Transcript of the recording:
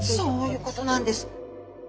そういうことなんです！